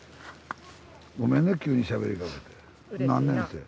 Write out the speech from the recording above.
ごめんね今日にしゃべりかけて。